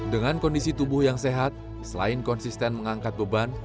dengan kondisi tubuh yang sehat selain konsisten mengangkat beban